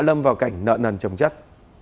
đã lâm vào cảnh nợ nần chống chất